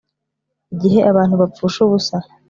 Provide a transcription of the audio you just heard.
Igihe abantu bapfusha ubusa